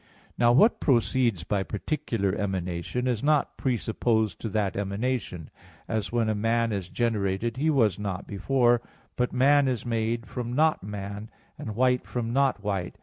Now what proceeds by particular emanation, is not presupposed to that emanation; as when a man is generated, he was not before, but man is made from "not man," and white from "not white."